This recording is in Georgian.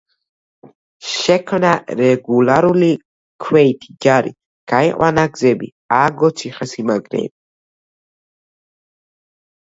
შექმნა რეგულარული ქვეითი ჯარი, გაიყვანა გზები, ააგო ციხესიმაგრეები.